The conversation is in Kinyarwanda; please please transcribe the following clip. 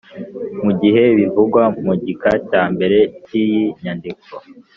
Mu gihe ibivugwa mu gika cya mbere cy iyi nyandiko